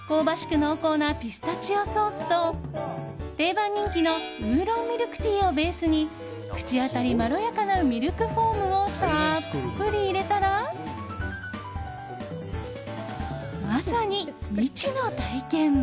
濃厚なピスタチオソースと定番人気の烏龍ミルクティーをベースに口当たりまろやかなミルクフォームをたっぷり入れたらまさに未知の体験！